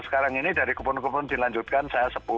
sekarang ini dari kupon kupon dilanjutkan saya sepuluh